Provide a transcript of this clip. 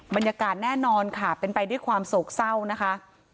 บรรยากาศแน่นอนค่ะเป็นไปด้วยความโศกเศร้านะคะ